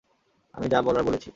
আমি যা বলার বলেছি!